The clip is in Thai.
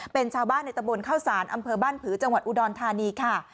เป็นชาวบ้านในตะบนเข้าสารอำเภอบ้านผือจังหวัดอุดรธานีค่ะ